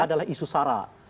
adalah isu sara